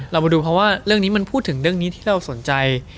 เรามาดูเพราะว่าเรื่องนี้มันพูดถึงเรื่องนี้ที่เราสนใจ